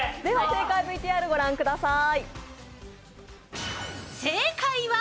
正解ＶＴＲ、御覧ください。